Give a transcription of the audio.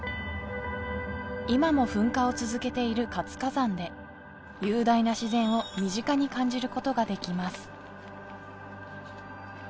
今も噴火を続けている活火山で雄大な自然を身近に感じることができます